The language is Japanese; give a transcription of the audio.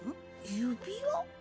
指輪？